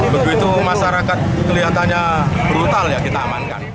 begitu masyarakat kelihatannya brutal ya kita amankan